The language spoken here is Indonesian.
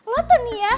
lo tuh nih ya